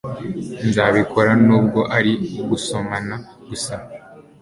nzabikora nubwo ari ugusomana gusa